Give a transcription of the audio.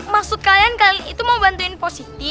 maksud kalian kalian itu mau bantuin positi